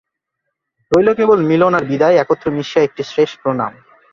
রইল কেবল মিলন আর বিদায় একত্র মিশিয়ে একটি শেষ প্রণাম।